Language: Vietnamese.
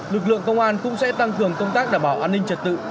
lực lượng công an cũng sẽ tăng cường công tác đảm bảo an ninh trật tự